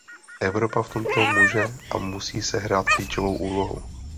Evropa v tom může a musí sehrát klíčovou úlohu.